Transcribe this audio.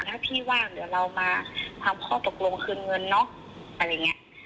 ถ้าพี่ว่าเดี๋ยวเรามาทำข้อตกลงคืนเงินเนอะอะไรอย่างนี้